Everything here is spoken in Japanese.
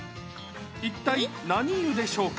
一体、何湯でしょうか。